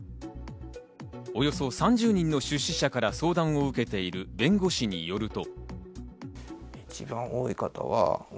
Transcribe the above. およそ３０人の出資者から相談を受けている弁護士によると。